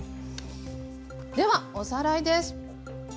ではおさらいです。